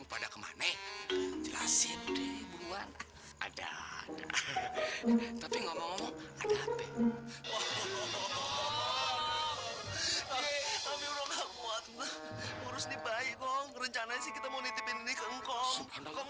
pada kemana jelasin ada tapi ngomong ngomong ada hp